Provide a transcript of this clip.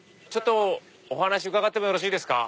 お話伺ってもよろしいですか？